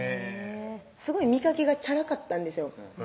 すごい見かけがちゃらかったんですよ